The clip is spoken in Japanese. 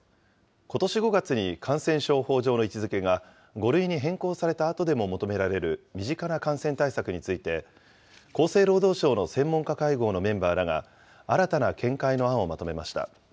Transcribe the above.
ことし５月に感染症法上の位置づけが５類に変更されたあとでも求められる身近な感染対策について、厚生労働省の専門家会合のメンバーらが、新たな見解の案をまとめました。